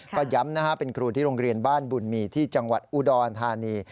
ก็ย้ำนะฮะเป็นครูที่โรงเรียนบ้านบุญมีที่จังหวัดอุดรธานี